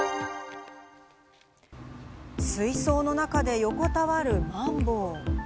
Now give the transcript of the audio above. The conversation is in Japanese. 水槽の中で横たわるマンボウ。